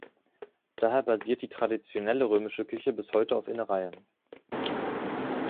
Daher basiert die traditionelle römische Küche bis heute auf Innereien.